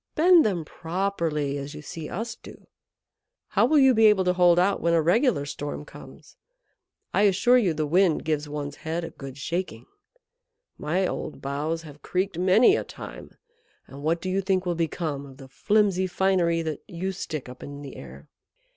Bend them properly, as you see us do. How will you be able to hold out when a regular storm comes? I assure you the Wind gives one's head a good shaking. My old boughs have creaked many a time; and what do you think will become of the flimsy finery that you stick up in the air?"